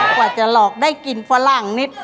กว่าจะหลอกได้กินฝรั่งนิด